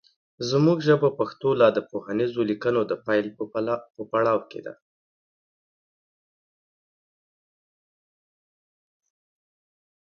زمونږ ژبه پښتو لا د پوهنیزو لیکنو د پیل په پړاو کې ده